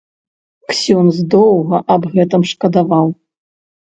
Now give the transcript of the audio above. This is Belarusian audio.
Ксёндз доўга аб гэтым шкадаваў.